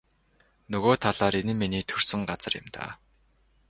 Нөгөө талаар энэ нь миний төрсөн газар юм даа.